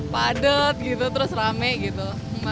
padet gitu terus rame gitu